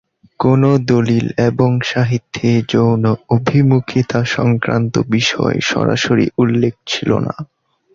কোনো দলিল এবং সাহিত্যে, যৌন অভিমুখিতা সংক্রান্ত বিষয়, সরাসরি উল্লেখ ছিল না।